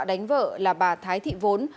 đánh vợ là bà thái thị vốn